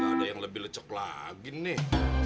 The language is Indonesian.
ada yang lebih lecek lagi nih